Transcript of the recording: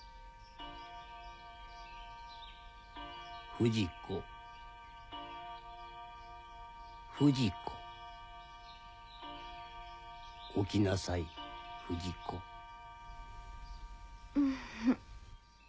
・不二子不二子・・起きなさい不二子・ん。